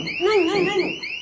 何？